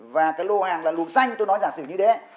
và cái lô hàng là lùn xanh tôi nói giả sử như đấy